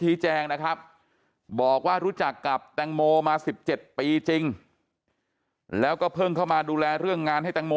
แจ้งนะครับบอกว่ารู้จักกับแตงโมมา๑๗ปีจริงแล้วก็เพิ่งเข้ามาดูแลเรื่องงานให้แตงโม